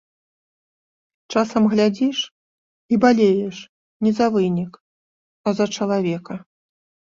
Часам глядзіш, і балееш не за вынік, а за чалавека.